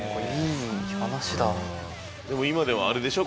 でも今ではあれでしょ？